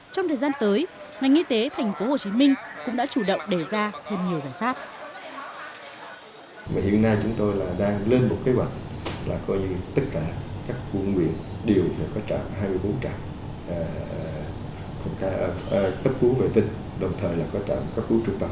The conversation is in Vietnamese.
trong thời gian tới ngành y tế tp hcm cũng đã chủ động đề ra thêm nhiều giải pháp